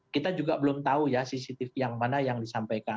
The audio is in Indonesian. kita juga belum tahu ya cctv yang mana yang disampaikan